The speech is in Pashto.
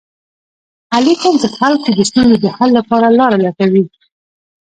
علي تل د خلکو د ستونزو د حل لپاره لاره لټوي.